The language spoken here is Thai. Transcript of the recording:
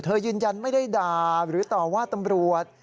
ยืนยันไม่ได้ด่าหรือต่อว่าตำรวจ